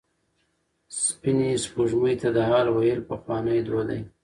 سپینې سپوږمۍ ته د حال ویل پخوانی دود دی.